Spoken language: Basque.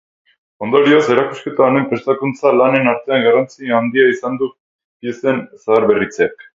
Ondorioz, erakusketa honen prestakuntza lanen artean garrantzi handia izan du piezen zaharberritzeak.